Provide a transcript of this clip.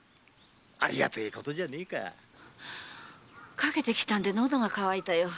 駆けてきたんで喉が渇いたよ。